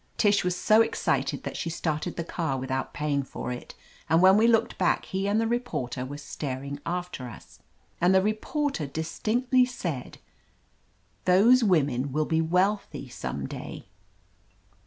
Tish was so excited that she started the car without paying for it, and when we looked back he and the reporter were staring after us; and the reporter dis tinctly said, "Those women will be wealthy some day."